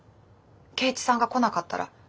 圭一さんが来なかったら。